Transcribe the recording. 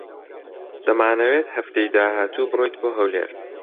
دەمانەوێت هەفتەی داهاتوو بڕۆیت بۆ ھەولێر.